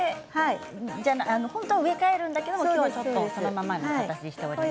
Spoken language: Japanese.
本当は植え替えるんですけれども、今日はこのままの形にしております。